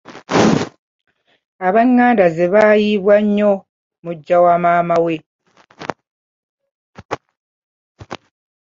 Ab'enganda ze baayiibwa nnyo muggya wamaama we.